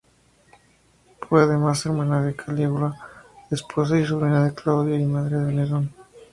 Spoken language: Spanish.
Fue además hermana de Calígula, esposa y sobrina de Claudio y madre de Nerón.